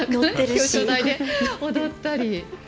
踊ったり。